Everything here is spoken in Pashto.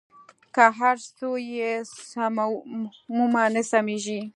که هر څو یې سمومه نه سمېږي.